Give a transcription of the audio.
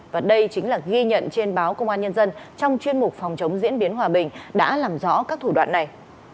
và đây chính là ghi nhận trên báo công an nhân dân trong chuyên mục phòng chống diễn biến hòa bình đã làm rõ các thủ đoạn này